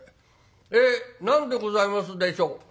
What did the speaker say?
え何でございますでしょう？」。